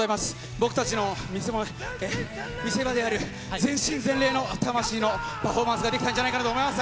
僕たちの見せ場である全身全霊の魂のパフォーマンスができたんじゃないかなと思います。